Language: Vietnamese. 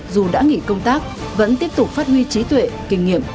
dù đã nghỉ công tác vẫn tiếp tục phát huy trí tuệ kinh nghiệm